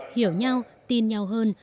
hiểu nhau tin nhau hơn